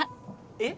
えっ？